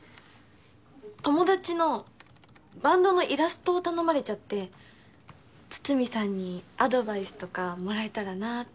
友達のバンドのイラストを頼まれちゃって筒見さんにアドバイスとかもらえたらなって。